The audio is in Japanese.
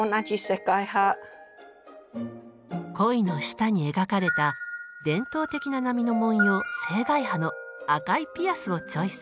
鯉の下に描かれた伝統的な波の文様「青海波」の赤いピアスをチョイス。